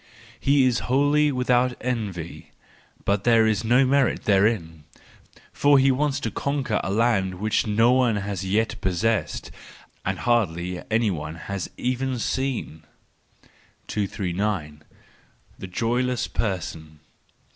—He is wholly without envy, but there is no merit therein : for he wants to conquer a land which no one has yet possessed and hardly any one has even seen. 239 The Joyless Person